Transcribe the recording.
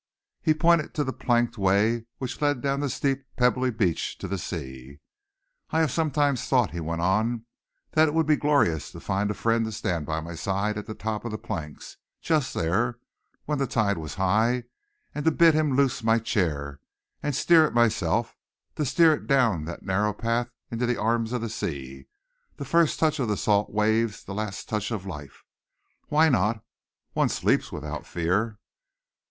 He pointed to the planked way which led down the steep, pebbly beach to the sea. "I have sometimes thought," he went on, "that it would be glorious to find a friend to stand by my side at the top of the planks, just there, when the tide was high, and to bid him loose my chair and to steer it myself, to steer it down the narrow path into the arms of the sea. The first touch of the salt waves, the last touch of life. Why not? One sleeps without fear."